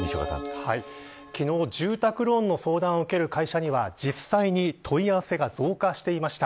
きのう、住宅ローンの相談を受ける会社では実際に問い合わせが増加していました。